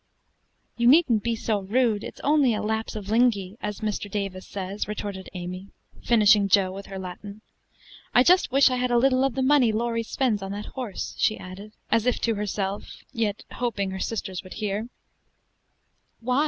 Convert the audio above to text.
"You needn't be so rude; it's only a 'lapse of lingy,' as Mr. Davis says," retorted Amy, finishing Jo with her Latin. "I just wish I had a little of the money Laurie spends on that horse," she added, as if to herself, yet hoping her sisters would hear. "Why?"